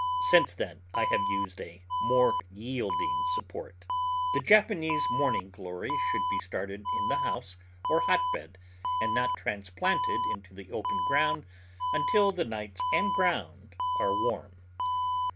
Since then I have used a more yielding support. The Japanese Morning glory should be started in the house or hotbed and not transplanted into the open ground until the nights and ground are warm.